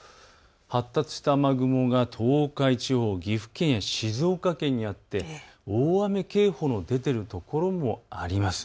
発達した雨雲が東海地方、岐阜県、静岡県にあって、大雨警報が出ているところもあります。